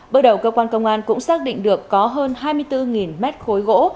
bước đầu cơ quan công an cũng xác định được có hơn hai mươi bốn mét khối gỗ